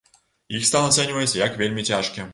Іх стан ацэньваецца як вельмі цяжкі.